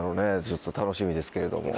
ちょっと楽しみですけれども。